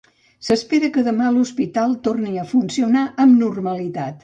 S'espera que demà l'hospital torni a funcionar amb normalitat.